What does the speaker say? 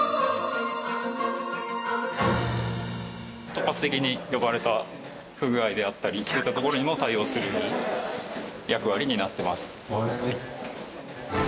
突発的に呼ばれた不具合であったりそういったところにも対応する役割になっています。